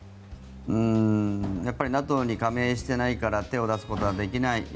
やっぱりＮＡＴＯに加盟していないから手を出すことはできない。